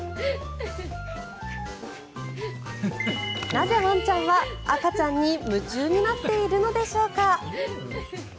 なぜワンちゃんは赤ちゃんに夢中になっているのでしょうか。